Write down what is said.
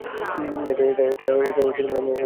এটা আমাদের গোপনীয়তা।